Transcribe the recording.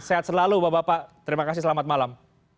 sehat selalu bapak bapak terima kasih selamat malam